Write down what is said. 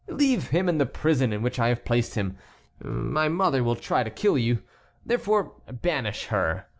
Leave him in the prison in which I have placed him. My mother will try to kill you, therefore banish her.